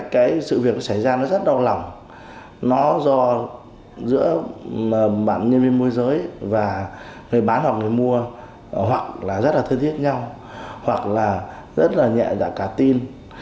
có nhiều người mua hoặc là rất là thân thiết nhau hoặc là rất là nhẹ giả cả tin